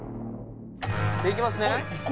「いきますね。